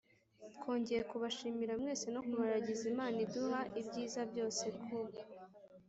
twongeye kubashimira mwese no kubaragiza imana iduha ibyiza byose ku